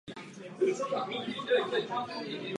Při tom se dobře bavil.